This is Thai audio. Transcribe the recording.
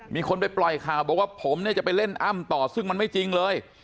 มีคนไปปล่อยข่าวบอกว่าผมเนี่ยจะไปเล่นอ้ำต่อซึ่งมันไม่จริงเลย